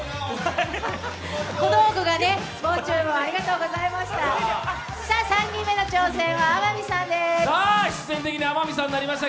小道具がね、もう中もありがとうございました。